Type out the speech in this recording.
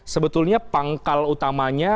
sebetulnya pangkal utamanya